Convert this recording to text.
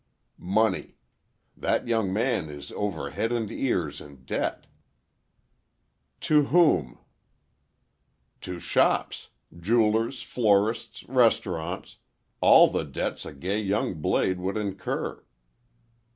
"Money. That young man is over head and ears in debt." "To whom?" "To shops—jewelers, florists, restaurants. All the debts a gay young blade would incur."